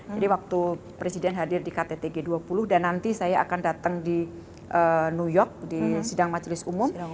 jadi waktu presiden hadir di kttg dua puluh dan nanti saya akan datang di new york di sidang majelis umum